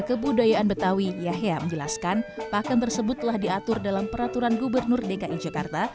kebudayaan betawi yahya menjelaskan pakan tersebut telah diatur dalam peraturan gubernur dki jakarta